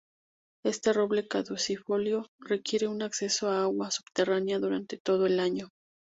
Este roble caducifolio requiere un acceso a agua subterránea durante todo el año.